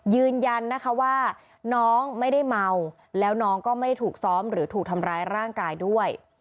ยืนยันนะคะว่าน้องไม่ได้เมาแล้วน้องก็ไม่ได้ถูกซ้อมหรือถูกทำร้ายร่างกายด้วย